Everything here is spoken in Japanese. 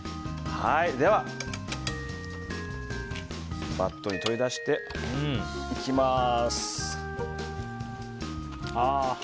ではバットに取り出していきます。